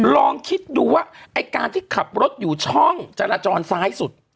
ลองคิดดูว่าไอ้การที่ขับรถอยู่ช่องจราจรซ้ายสุด